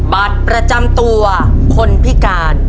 บัตรประจำตัวคนพิการ